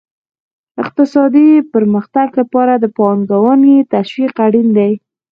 د اقتصادي پرمختګ لپاره د پانګونې تشویق اړین دی.